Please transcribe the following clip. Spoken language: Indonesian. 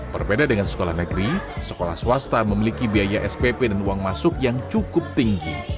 berbeda dengan sekolah negeri sekolah swasta memiliki biaya spp dan uang masuk yang cukup tinggi